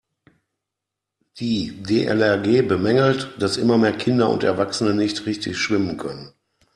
Die DLRG bemängelt, dass immer mehr Kinder und Erwachsene nicht richtig schwimmen können.